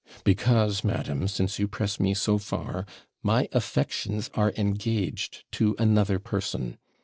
'Because, madam, since you press me so far, my affections are engaged to another person.